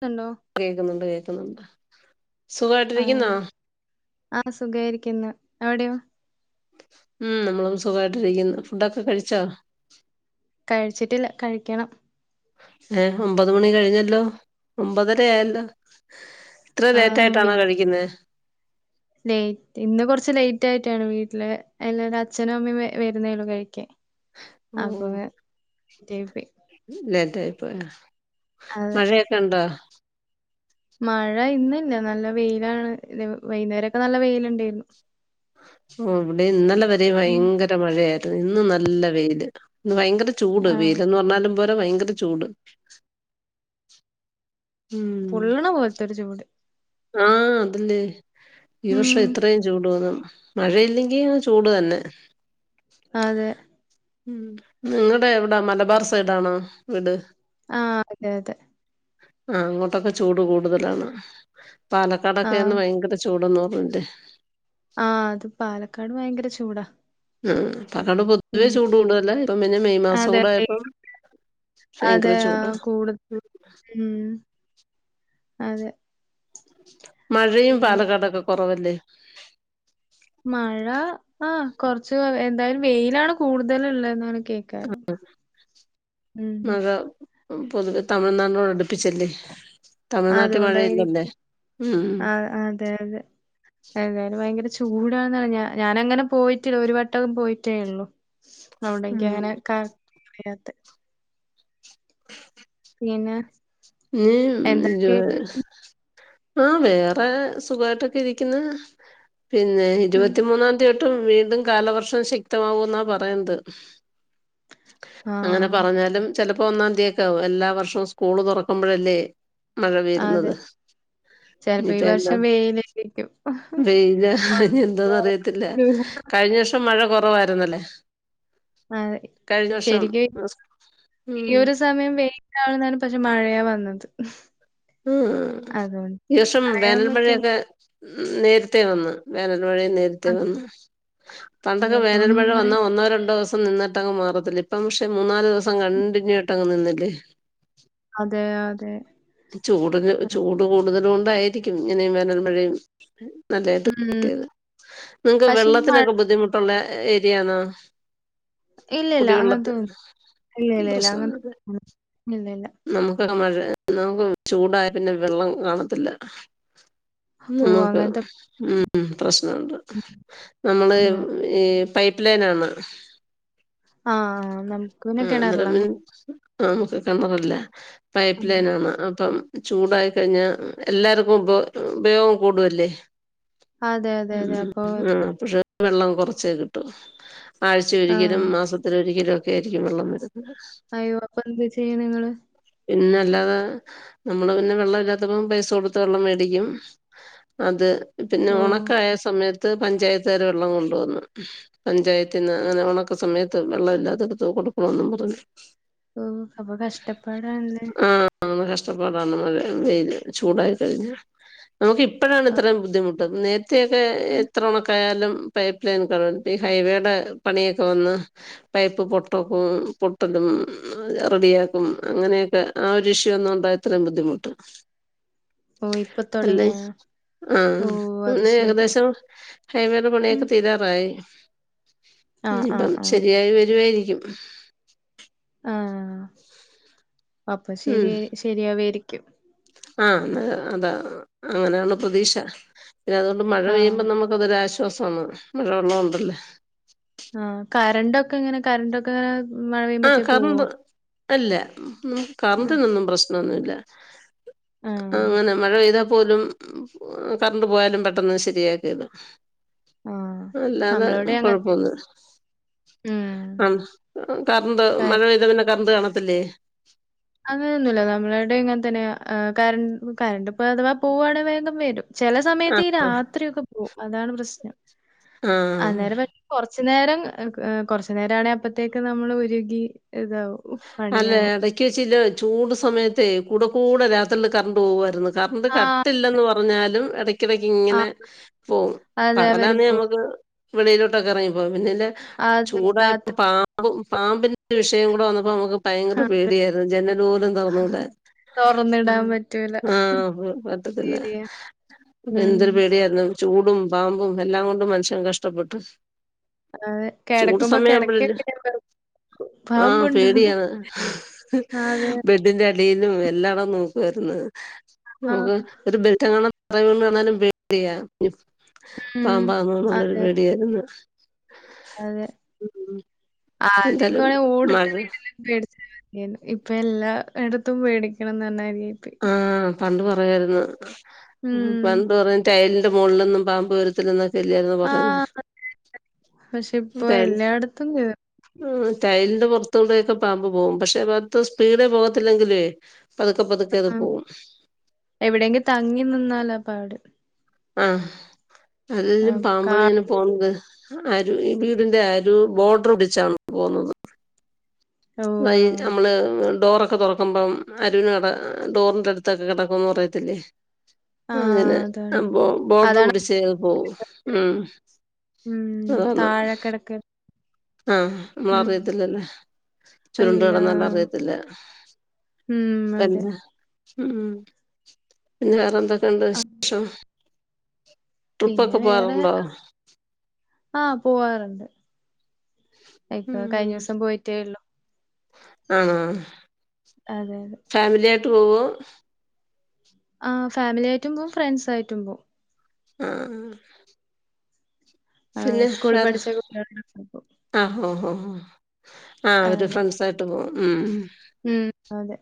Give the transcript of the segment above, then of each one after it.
ത്ണ്ടോ കേൾക്കുന്നുണ്ട് കേൾക്കുന്നുണ്ട് സുഖായിട്ടിരിക്കുന്നോ ആ സുഗായിരിക്കുന്നു അവിടെയോ ഉം നമ്മളും സുഖായിട്ടിരിക്കുന്നു ഫുഡൊക്കെ കഴിച്ചോ കഴിച്ചിട്ടില്ല കഴിക്കണം ഏഹ് ഒമ്പത് മണി കഴിഞ്ഞല്ലോ ഒമ്പതര ആയല്ലോ ഇത്ര ലേറ്റ് ആഹ് വീ ആയിട്ടാണോ കഴിക്കുന്നത് ലേറ്റ് ഇന്ന് കൊറച്ച് ലേറ്റ് ആയിട്ടാണ് വീട്ടില് എല്ലാരും അച്ഛനും അമ്മയും വരുന്നേള്ളു കഴിക്കാൻ അപ്പൊ ഉം ലേറ്റായിപ്പോയി ലേറ്റ് ആയി പോയോ അതെ മഴയൊക്കെ ഉണ്ടോ മഴ ഇന്ന് ഇല്ല നല്ല വെയിലാണ് വൈകുന്നേരൊക്കെ നല്ല വെയിലുണ്ടായിരുന്നു ഓ ഇവിടെ ഇന്നലെ വരെ ഉം ഭയങ്കര മഴയായിരുന്നു ഇന്ന് നല്ല വെയില് ഇന്ന് ഭയങ്കര ചൂട് ആഹ് വെയിൽ എന്ന് പറഞ്ഞാലും പോര ഭയങ്കര ചൂട് ഉം പൊള്ളണ പോലത്തൊരു ചൂട് ആഹ് അതല്ലെ ഈ വർഷം ഉം ഇത്രയും ചൂടു വന്നു മഴയില്ലെങ്കിൽ ചൂട് തന്നെ അതെ ഉം നിങ്ങടെ എവിടാ മലബാർ സൈഡാണോ വീട് ആ അതെ അതെ ആഹ് അങ്ങോട്ടൊക്കെ ചൂട് കൂടുതലാണ് പാലക്കാടൊക്കെ ആഹ് എന്നാ ഭയങ്കര ചൂടന്ന് തോന്നുന്നുണ്ട് ആഹ് അത് പാലക്കാട് ഭയങ്കര ചൂടാ ഉം അപ്പൊ അവിടെ പൊതുവേ ഉം ചൂട് കൂടുതലാണ് ഇപ്പ പിന്നെ മെയ് മാസം അതെ കൂടെ ആയപ്പം ഭയങ്കര അതെ ചൂടാ ആഹ് കൂടുതൽ ഉം അതെ മഴയും പിന്നെ പാലക്കാടൊക്കെ കുറവല്ലേ മഴ ആ കുറച്ച് എന്തായാലും വെയിലാണ് കൂടുതൽ ഉള്ളെന്ന് കേക്കൽ ആ മഴ പൊതുവെ തമിഴ്നാടിനോട് അടുപ്പിച്ചല്ലേ തമിഴ്നാട്ടിൽ മഴയില്ലല്ലേ അതുകൊണ്ടായിരിക്കും ഉം ആ അതെ അതെ എ ഏതായാലും ഭയങ്കര ചൂടാണെന്ന ഞാന അങ്ങനെ പോയിട്ടില്ല ഒരു വട്ടേ പോയിട്ട് ഉള്ളൂ അതുകൊണ്ട് ഉം അങ്ങനെ കറക്റ്റ് അറിയാത്തത് പിന്നെ എന്തൊക്കെയായിരുന്നു [unintelligible] ആഹ് വേറെ സുഖായിട്ടൊക്കെ ഇരിക്കുന്നു പിന്നെ ഉം ഇരുപത്തിമൂന്നാം തിയതി തൊട്ട് വീണ്ടും കാലവർഷം ശക്തമാവും എന്നാ പറയുന്നത് അങ്ങനെ ആഹ് പറഞ്ഞാലും ചിലപ്പോ ഒന്നാം തീയതി ഒക്കെ ആകും എല്ലാ വർഷവും സ്കൂള് തുറക്കും ക്കുമ്പഴല്ലേ മഴ അതെ വര്ന്നത്. ചെലപ്പോ ഈ ഇനിപ്പെന്താ? വർഷം വെയിലായിരിക്കും. വെയിലാ ഇനിയെന്താന്നറിയ ത്തില്ല. കഴിഞ്ഞ വർഷം മഴ കുറവായിരുന്നല്ലേ. അതെ. കഴിഞ്ഞ വർഷം ശരിക്കും. ഉം ഈ ഒരു സമയം വെയി ലാണെന്നാണ്. പക്ഷെ മഴയാ വന്നത്. മ് മ്. അതുകൊണ്ട് ഈ വർഷം പറയാൻ വേനൽ പറ്റില്ല മഴയൊക്കെ ഉം നേരത്തെ വന്ന് വേനൽമഴയും നേര ത്തെ നേരത്തെ വന്ന്. പണ്ടൊക്കെ വേനൽ എതിർപ്പൊന്നും മഴ വന്നാ പറയും. ഒന്നോ രണ്ടോ സം നിന്നിട്ടങ് മാറത്തില്ലേ ഇപ്പം പക്ഷെ മൂന്നാല് ദിവസം കണ്ടിന്യൂ ആയിട്ടങ്ങ് നിന്നില്ലേ. അതെ അതെ. ചൂടിക് ചൂട് കൂടുതലോണ്ടായിരിക്കും. ഇങ്ങനെ ഈ വേനൽമഴയും. നല്ലായ്ട്ട് മ്മ്. [unintelligible] നിങ്ങക്ക് പക്ഷേ ഈ മഴ വെള്ളത്തിനൊക്കെ ബുദ്ധിമു ട്ടുള്ള ഏരിയാണോ? ഇല്ല ഇല്ല. കുടിവെള്ളത്തി അങ്ങൻത്തൊന്നു ഇല്ല ഇല്ല ഇല്ലാ പ്രശ്നം അങ്ങൻതാ ഇല്ല ഇല്ല നമുക്കൊക്കെ മഴേ നമുക്ക് ചൂടായാ പിന്നെ വെള്ളം കാണത്തില്ല. ഓഹ്! നമുക്ക് അങ്ങനത്തെ ഉം പ്രശ്ന ഉണ്ട്. നമ്മള് പ്രശ്നമാണ്. ഈ പൈപ്പ്ലൈനാന്ന്. ആ, ആ. നമുക്ക് പിന്നെ ആഹ് അന്നേരം കിണറിലാ. പി ആഹ് നമുക്ക് കെണറില്ല. പൈപ്പ് ലൈനാണ് അപ്പം ചൂടായി കഴിഞ്ഞാ എല്ലാര്ക്കും ഉപ ഉപയോഗം കൂടുവല്ലേ. അതെ, അതെ, ഉം അതെ. അപ്പൊ ഉം ആഹ് പഷെ വെള്ളം കൊറച്ചേ കിട്ടൂ ആ. ആഴ്ചയൊരിക്കലും മാസ ത്തിലൊരിക്കലോ ഒക്കെയായിരിക്കും വെള്ളം വെരുന്നത്. അയ്യോ അപ്പെന്താ ചെയ്യ്ണെ ഇങ്ങള്? പിന്നെ അല്ലാതെ നമ്മള് പിന്നെ വെള്ളം ഇല്ലാത്തപ്പം പൈസ കൊടുത്ത് വെള്ളം മേടിക്കും. അത്. പിന്നെ ഓഹ്! ഒണക്കായസമയത്ത് പഞ്ചായത്താര് വെള്ളം കൊണ്ടുവന്നു. പഞ്ചായത്തിന്ന് അങ്ങനെ ഒണക്ക സമയത്ത് വെള്ളമില്ലാത്തടുത്ത് കൊടുക്കണോന്നും പറഞ്ഞ് ഓഹ് അപ്പൊ കഷ്ടപ്പാടാണ് ല്ലേ. ആഹ് കഷ്ടപ്പാടാണ് മഴ വെയില് ചൂടായി കഴിഞ്ഞാ. നമുക്ക് ഇപ്പഴാണ് ആ. ഇത്രയും ബുദ്ധിമുട്ട് നേരത്തെയൊക്കെ മ്മ്. എത്ര ഒണക്കായാലും പൈപ്പ് ലൈൻക്കെ [unintelligible] ഈ ഹൈവേടെ പണിയൊക്കെ വന്ന് പൈപ്പ് പൊട്ടക്കും പൊട്ടലും ഉം റെഡിയാ ഉം അങ്ങനെയൊക്കെ. ആ ഒരു ഇഷ്യു വന്നൊണ്ടാ ഇത്രയും ബുദ്ധിമുട്ട്. ഓഹ് ഇപ്പൊ അല്ലേ തൊടങ്ങിയാണോ? ആഹ് ന്നെ ഏകദേശം ഹൈവേടെ പണിയൊക്കെ മ്മ്. തീരാറായി. ആ, ആ, ഇന്ത്പ്പം ആ. ശരിയായി വെരുവായിരിക്കും. ആഹ് അപ്പ ഉം ശെരിയാ ശെരിയാവേരിക്കും ആഹ് ണ് അതാ അങ്ങനെയാണ് പ്രതീക്ഷ. പിന്നതുകൊണ്ട് മഴ ആ. പെയ്യുമ്പം നമ ക്കതൊരാശ്വാസാണ് നല്ലവെള്ളമുണ്ടല്ലാ. ആഹ് കരണ്ടൊക്കെ എങ്ങനെ കരന്റൊക്കെ മഴ ആഹ് പെയ്യുമ്പത്തേ പോവോ? കറണ്ട് അല്ല ഉം ആഹ് കറണ്ടിനൊന്നു പ്രശ് നൊന്നു ഇല്ല. ആഹ് അങ്ങനെ. മഴപെയ്താ പോലും കർണ്ട് പോയാലുപെട്ടെന്ന് ശരിയാക്കിയെരും. ആഹ് അല്ലാതെ നമ്മളവിടെ കൊഴപ്പൊ അങ്ങൻത്തെ ഒന്ന് ഉം അഹ് കർണ്ട് മഴപെയ്താപിന്നെ കർണ്ട് കാണത്തില്ലേ? അങ്ങനൊന്നുല്ല നമ്മളാടെം ഇങ്ങൻതന്നെയാ. ഏഹ് കരൻ കരണ്ട് ഇപ്പോ അഥവാ പോവാണെ വേഗം വരും. ചെല സമയത്ത് ഈ രാത്രിയൊക്കെ പോവും. അതാണ് പ്രശ്നം. ആഹ് അന്നേരം കൊറച്ചുനേരം എഹ് കൊറച്ചുനേരാണെ അപ്പത്തേക്ക് നമ്മള് ഉരുകി ഇതാവും. അല്ല പണിയാവും എടക്ക് വെച്ചില്ലോ ചൂട് സമയത്തേ കൂടെ കൂടെ രാത്രില് കർണ്ട് പോവായിരുന്ന്. ആഹ് കറണ്ട്കട്ടില്ലെന്ന് പറഞ്ഞാലും ആഹ് എടക്കെടക്കിങ്ങനെ- പോം അതെ അവര് പകലാന്നെ പോവും അമക്ക്- വെളിയിലോട്ടൊക്കെ ഇറങ്ങിപ്പോവാ പിന്നെല്ല അതെ ചൂടായപ്പ രാത്രി പാ പാമ്പു പാമ്പിന്റെ വിഷയം കൂടെ വന്നപ്പോ നമക്ക് ഭയങ്കര പേടിയായിരുന്നു ജനലോലു തൊറന്നിടാൻ തൊറന്നിടാൻ പറ്റൂല ആഹ് പറ്റത്തില്ല ശരിയാ ഉം എന്തൊരുപേടിയായ്രുന്നു ചൂടും പാമ്പും എല്ലാകൊണ്ടും മനുഷ്യൻ കഷ്ടപ്പെട്ട് അതെ കെടക്കുമ്പോ കെടക്കൊക്ക പാമ്പണ്ടോന്ന് ബെഡിന്റെടിയിലും എല്ലാടം നോക്വാര്ന്ന് ആ. നമുക്ക് ഒരു ബെറ്റങ്ങാണാം തറേല് വീണാലും പേ ടിയാ ഉം. പാമ്പാന്നൊന്നുള്ളൊരു അതെ, പേടിയാരുന്നു അതെ എന്തായാലും ആദ്യൊക്കെയാണെ ഓടിട്ട മഴ വീട്ടില് പേടിച്ച മതിയായിന്നു ഇപ്പൊ എല്ലായിടത്തും പേടിക്കണംന്ന് പറഞ്ഞതിരി ആയിപ്പോയി ആഹ് പണ്ട് പറയുവായിരുന്നു ഉം. പണ്ട് പറയും ടൈലിന്റെ മുകളിലൊന്നും പാമ്പ് വരു ത്തില്ലന്നൊക്ക അല്ലയിരുന്നോ ആ. പറയുന്നേ പക്ഷെ ഇപ്പൊ ടൈൽ എല്ലായിടത്തും കേറും. ആഹ് ടൈലിന്റെ പുറത്തുടെയൊക്കെ പാമ്പ് പോവും പക്ഷെ അത്രേ സ്പീഡേ പോകത്തില്ലെങ്കിലേ പതുക്കെ പതുക്കെ അത് പോവും എവിടെങ്കി തങ്ങി നിന്നാല പാട് ആഹ് ആ അല്ലേലും കാ പാമ്പേളിങ്ങനെ പോന്നത് അരിവ് ഈ വീടിന്റെ അരിവ് ബോർഡർ പിടിച്ചാണ് പോന്നത് ഓഹ്! ആ. വൈക്ട്ട് നമ്മള് ഡോറൊക്കെ തുറക്കുമ്പം അരികിന്കെട ഡോറിന്റെ അടുത്തൊക്കെ കെടക്കുന്ന് പറയത്തില്ലേ ആ അങ്ങനെ അതാണ്. അപ്പോ ബോർഡർ അതാണ് പിടിച്ചേ അത് പോവു ഉം ഉം അതാണ് താഴെ കെട ആഹ് നമ്മളറിയത്തില്ലല്ലേ ചുരുണ്ട് ഇല്ല. കിടന്നാലും അറിയത്തില്ല ഉം അതെ പിന്നെ ഉം പിന്നെ വേറെന്തൊക്കെ ഉണ്ട് ആ. വിശേഷം ട്രിപ്പൊക്കെ പോവാറുണ്ടോ ആഹ് പോവാറുണ്ട് ഇപ്പ ഉം കഴിഞ്ഞ ദിവസം പോയിട്ടേയുള്ളു ആണോ അതെ അതെ. ഫാമിലി ആയിട്ട് പോവോ ആഹ് ഫാമിലിയായിട്ടും പോവും ഫ്രണ്ട്സ് ആയിട്ടും പോവും ആഹ് ആഹ് പിന്നെ സ്കൂളിൽ വേറെ പഠിച്ച കുട്ടികളെ കൂടെ പോവും ആഹ് ഹോ ഹോ ആഹ് അവര് അതെ. ഫ്രണ്ട്സായിട്ട് പോവും ഉം ഉം അതെ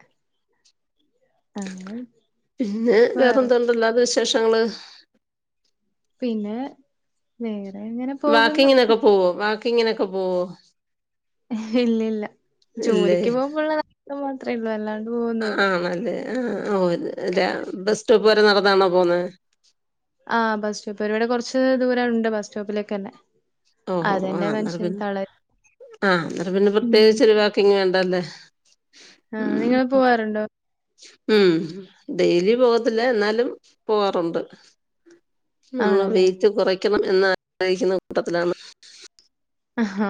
അങ്ങനെ പിന്നെ വേറെ വേറെന്തോണ്ട് അല്ലാതെ വിശേഷങ്ങള് പിന്നെ വേറെ ഇങ്ങനെ പോകുന്നു ഓഹ് വാക്കി ങ്ങിനൊക്കെ പോകുവോ ഇല്ല ഇല്ല ഇല്ലേ ജോലിക്ക് പോകുമ്പുള്ള നടത്തം മാത്രേ ഉള്ളൂ അല്ലാണ്ട് പോ ആണല്ലേ ആഹ് ഓഹ് അല്ല ബസ് സ്റ്റോപ്പ് വരെ നടന്നാണോ പോന്നെ ആഹ് ബസ്റ്റോപ്പ് വരെ ഇവിടെ കുറച്ച് ദൂരം ഉണ്ട് ബസ് സ്റ്റോപ്പിലേക്ക്‌ തന്നെ ഓഹോ ആഹ് അന്നേരം പിന്നെ ആഹ് അന്നേരം പിന്നെ ഉം. പ്രത്യേകിച്ചോരു വാക്കിങ്ങ് വേണ്ടല്ലേ ആഹ് ഉം നിങ്ങൾ പോവാറുണ്ടോ ഉം ഡെയിലി പോവത്തില്ല എന്നാലും പോവാറുണ്ട് നമ്മള് ആണല്ലേ. വെയിറ്റ് കുറയ്ക്കണം എന്ന് ആഗ്രഹിക്കുന്ന കൂട്ടത്തിലാണ് ആഹ്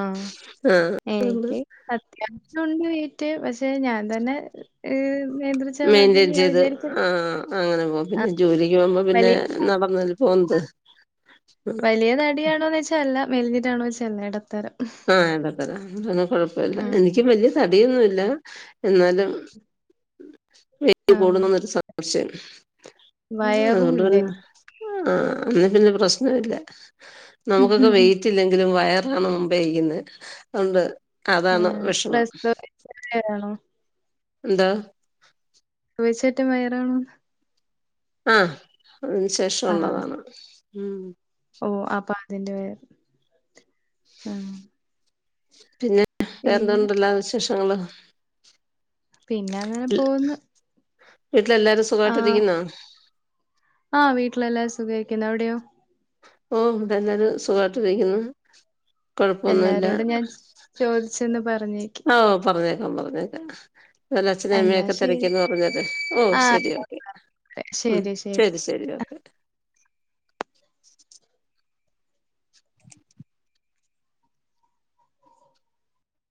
എനിക്ക് അത്യാവശ്യവുണ്ട് വെയിറ്റ് പക്ഷെ ഞാൻ തന്നെ ഏഹ് നിയന്ത്രി മെയിന്റെയിൻ ചെയ്ത് ആഹ് അങ്ങനെ പോവും ആ പിന്നെ ജോലിക്ക് പോകുമ്പോ പിന്നെ വലിയ നടന്നല്ലേ പോന്നത് വലിയ തടിയാണോന്ന് ചോയിച്ച അല്ല മെലഞ്ഞിട്ടാണോന്ന് ചോയിച്ച അല്ല എടത്തരം ആഹ് എടത്തരം അപ്പോ പിന്നെ കുഴപ്പോല്ല എനിക്കും വല്യ തടിയൊന്നുല്ല എന്നാലും വെ യിറ്റ് ആഹ് കൂടുന്നൊന്ന് ഒരു സംശയം വയറും അതുകൊണ്ട് ഇല്ല പിന്നെ എനിക്ക്. ആഹ് അന്നരം പിന്നെ പ്രശ്‌നവില്ല നമുക്കൊക്കെ വെയിറ്റ് ഇല്ലെങ്കിലും വയറാണ് മു മ്പേ നിക്കുന്നെ അതോണ്ട് അതാണ് ആഹ് വിഷമം പ്രസവിച്ച വയറാണോ എന്താ [unintelligible] വയറണോന്ന് ആഹ് അതിന് ആഹ് ശേഷോള്ളതാണ് ഉം ഓഹ് അപ്പൊ അതിന്റെ വയർ പിന്നെ പിന്നെ വേറെന്തണ്ടല്ല വിശേഷങ്ങള് പിന്നെ അങ്ങനെ പോന്ന് വീട്ടിലെല്ലാരും സുഖായിട്ട് ഇരിക്കുന്നാ ആഹ് വീട്ടിലെല്ലാരും സുഖായിരിക്കുന്നു അവിടെയോ ഓഹ് ഇടെല്ലാരും സുഖായിട്ട് ഇരിക്കുന്നു കൊഴപ്പൊന്നുല്ല ചോദിച്ചന്ന് പറ ഓഹ് പറഞ്ഞേക്കാം പറഞ്ഞേക്കാം എന്നാ അച്ഛനേം അമ്മേയൊക്കെ തിരക്കിന്ന് പറഞ്ഞേരെ ഓഹ് ആ ശരി ഓക്കെ ഉം ശരി ശരി ഓക്കെ [inaudible]